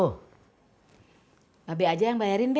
mbak be aja yang bayarin be